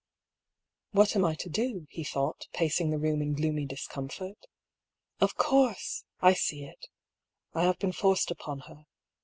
" What am I to do ?" he thought, pacing the room in gloomy discomfort. " Of course I I see it. I have THE LOCKET. 113 been forced upon her.